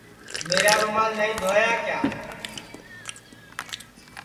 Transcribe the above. میرا رومال نائی دھویا کیا